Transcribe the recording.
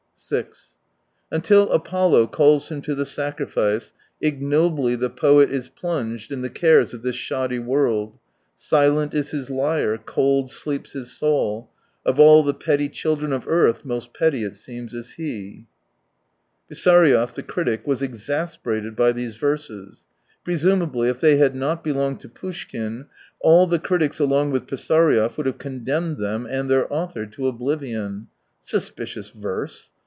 6 " Until Apollo calls him to the sacrifice, ignobly the poet is plunged in the cares of this shoddy world ; silent is his lyre, cold sleeps his soul, of all the petty children of earth most petty it seems is he." Pisaryev, the critic, was exasperated by these verses. Presumably, if they had not belonged to Poushkin, all the critics along with Pisaryev would have condemned them and their author to oblivion. Suspicious verse